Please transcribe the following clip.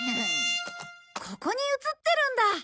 ここに映ってるんだ。